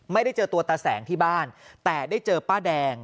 ไม่ได้เจอตัวตาแสงที่บ้านแต่ได้เจอป้าแดง